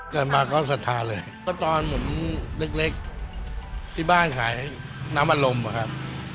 เกิดมาก็สัทธาเลยก็ตอนผมเล็กที่บ้านขายน้ำอารมณ์อะครับ